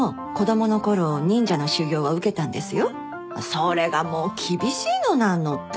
それがもう厳しいの何のって。